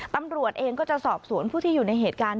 ตำรวจเองก็จะสอบสวนผู้ที่อยู่ในเหตุการณ์